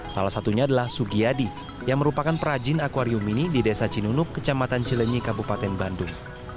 salah satunya adalah sugiyadi yang merupakan perajin akwarium ini di desa cinunuk kecamatan cilenyi kabupaten bandung